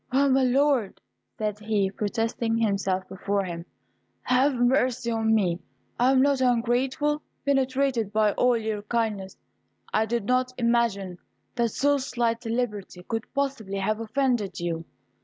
"Ah! my Lord," said he, prostrating himself before him, "have mercy on me! I am not ungrateful! Penetrated by all your kindness, I did not imagine that so slight a liberty could possibly have offended you."